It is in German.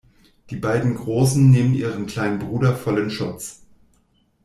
Die beiden Großen nehmen ihren kleinen Bruder voll in Schutz.